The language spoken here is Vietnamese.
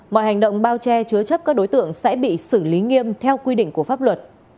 mọi hành động bao che chứa chấp các đối tượng sẽ bị xử lý nghiêm theo quy định của pháp luật